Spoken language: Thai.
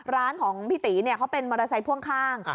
ร้านของพี่ตี๋เนี่ยเขาเป็นเรือไฟฟ่วงข้าง